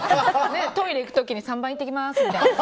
トイレ行く時に３番行ってきますみたいな。